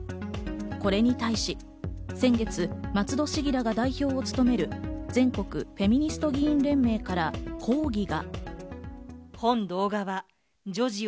これに対し先月、松戸市議らが代表を務める、全国フェミニスト議員連盟から抗議が。